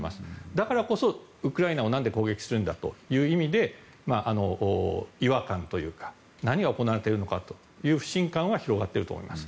だからこそウクライナをなんで攻撃するんだということで違和感というか何が行われているのかという不信感は広がっていると思います。